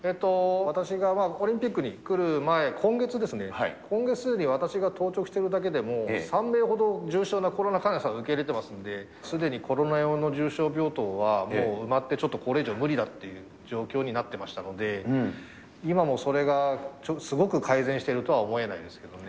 私がオリンピックに来る前、今月ですね、今月、すでに私が当直しているだけでも、３名ほど、重症なコロナ患者さんを受け入れてますんで、すでにコロナ用の重症病棟はもう埋まって、ちょっと、これ以上無理だっていう状況になってましたので、今もそれがすごく改善してるとは思えないですけどね。